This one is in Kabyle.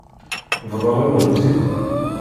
Bḍan-awen-tt-id.